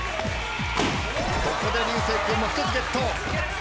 ここで流星君も１つゲット。